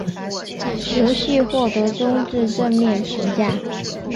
游戏获得中至正面评价。